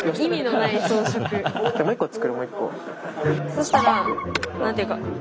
そしたら何て言うかこう。